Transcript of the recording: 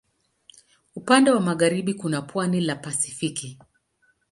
Upande wa magharibi kuna pwani la Pasifiki.